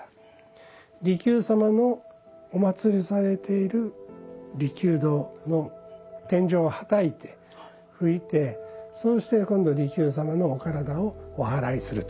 利休様のおまつりされている利休堂の天井をはたいて拭いてそうして今度は利休様のお体をおはらいするということになります。